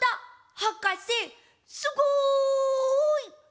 はかせすごい！